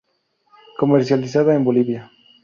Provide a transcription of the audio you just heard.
Comercializada en Bolivia.